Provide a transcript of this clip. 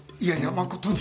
誠に。